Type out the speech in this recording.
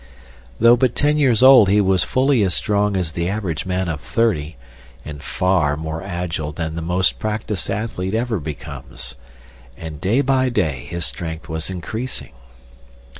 Though but ten years old he was fully as strong as the average man of thirty, and far more agile than the most practiced athlete ever becomes. And day by day his strength was increasing.